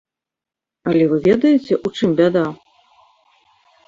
Але вы ведаеце, у чым бяда?